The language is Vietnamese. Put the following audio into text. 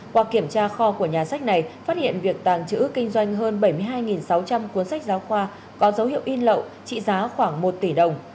qua kiểm tra kho của nhà sách này phát hiện việc tàng trữ kinh doanh hơn bảy mươi hai sáu trăm linh cuốn sách giáo khoa có dấu hiệu in lậu trị giá khoảng một tỷ đồng